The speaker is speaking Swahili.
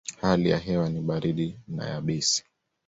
Hali ya hewa ni baridi na yabisi.